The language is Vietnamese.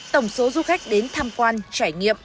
tổng số du khách đến tham quan trải nghiệm